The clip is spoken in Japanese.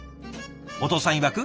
お父さんいわく